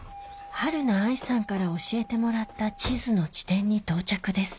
はるな愛さんから教えてもらった地図の地点に到着です